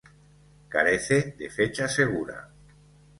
Carece de fecha segura.